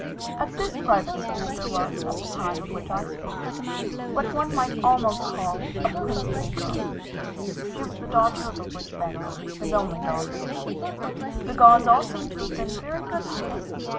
At this private school, there was, at the time of which I speak, what one might almost call a "principal girl." She was the daughter of a rich banker his only daughter. The gods all seemed to have been very good to her.